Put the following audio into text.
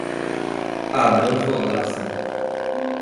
Adão Fogassa